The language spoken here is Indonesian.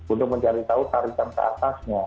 untuk mencari tahu tarikan keatasnya